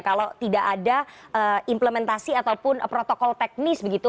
kalau tidak ada implementasi ataupun protokol teknis begitu